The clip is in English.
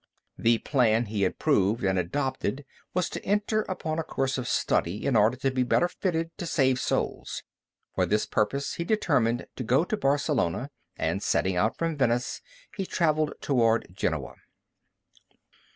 The plan he approved and adopted was to enter upon a course of study in order to be better fitted to save souls. For this purpose he determined to go to Barcelona, and setting out from Venice he traveled toward Genoa.